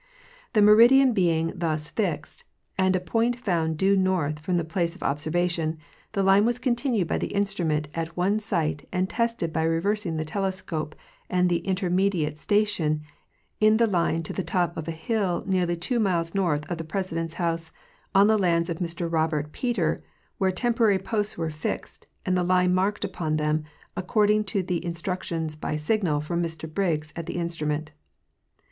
The meridian being thus fixed and a point found due north from the place of observation, the line was continued by the instrument at one sight and tested by reversing the telescope at an intermediate sta tion in the line to the top of a hill nearly two miles north of the Presi dent's house, on the lands of Mr Robert Peter, where temporary posts were fixed and the line marked upon them, according to the instructions by signal from Mr Briggs at the instrument.